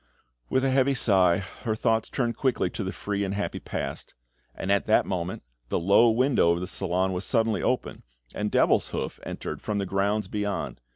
With a heavy sigh, her thoughts turned quickly to the free and happy past; and at that moment, the low window of the salon was suddenly opened, and Devilshoof entered from the grounds beyond.